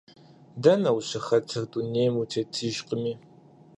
Дэнэ ущыхэтыр, дунейм утетыжкъыми.